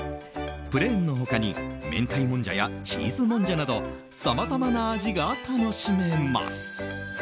プレーンの他にめんたいもんじゃやチーズもんじゃなどさまざまな味が楽しめます。